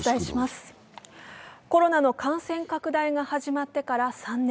コロナの感染拡大が始まってから３年。